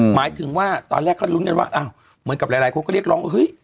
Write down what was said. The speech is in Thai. หมายถึงว่าตอนแรกก็ลุ้นกันว่าอ้าวเหมือนกับหลายคนก็เรียกร้องว่าเฮ้ย